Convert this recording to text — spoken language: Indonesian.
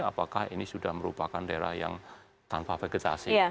apakah ini sudah merupakan daerah yang tanpa vegetasi